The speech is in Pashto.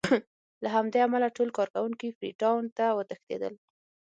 له همدې امله ټول کارکوونکي فري ټاون ته وتښتېدل.